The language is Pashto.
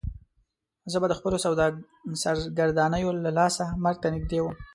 زه به د خپلو سرګردانیو له لاسه مرګ ته نږدې وم.